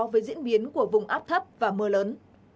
với diễn biến của vùng áp thấp và mưa lớn